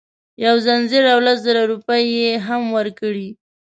یو ځنځیر او لس زره روپۍ یې هم ورکړې.